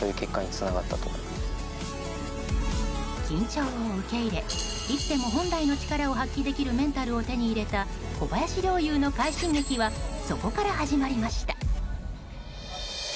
緊張を受け入れいつでも本来の力を発揮できるメンタルを手に入れた小林陵侑の快進撃はそこから始まりました。